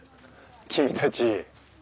君たち。